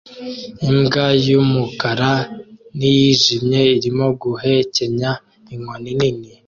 Imbwa y'umukara n'iyijimye irimo guhekenya inkoni nini